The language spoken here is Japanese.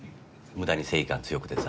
無駄に正義感強くてさ。